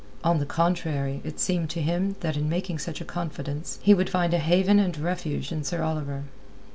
On the contrary, it seemed to him that in making such a confidence, he would find a haven and refuge in Sir Oliver.